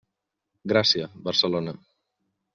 Gràcia, Barcelona.